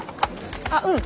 あっうん。